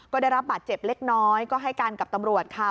ก็ได้รับบาดเจ็บเล็กน้อยก็ให้การกับตำรวจค่ะ